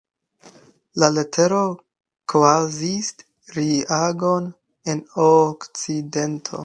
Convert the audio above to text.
La letero kaŭzis reagon en Okcidento.